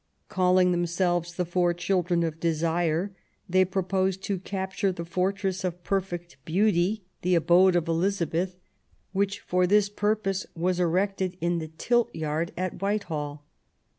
Calling themselves the Four Children of Desire, they purposed to capture the Fortress of Perfect Beauty, the abode of Elizabeth, which for I THE ALENQON MARRIAGE. 177 this purpose was erected in the tilt yard at WKitehall.